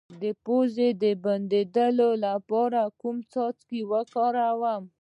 د پوزې د بندیدو لپاره کوم څاڅکي وکاروم؟